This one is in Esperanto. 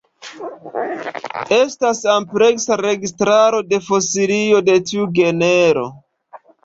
Estas ampleksa registraro de fosilioj de tiu genro.